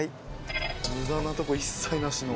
無駄なとこ一切なしの。